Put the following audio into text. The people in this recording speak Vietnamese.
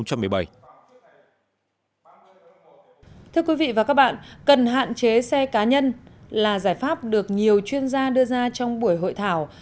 thưa quý vị và các bạn cần hạn chế xe cá nhân là giải pháp được nhiều chuyên gia đưa ra trong buổi hội thảo